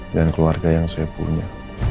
dan keluarga yang saya punya